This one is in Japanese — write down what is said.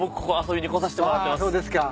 あそうですか。